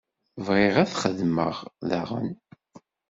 Bɣiɣ ad t-xedmeɣ daɣen.